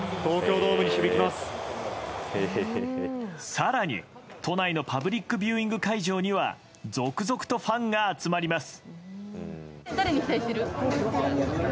更に、都内のパブリックビューイング会場には続々とファンが集まります。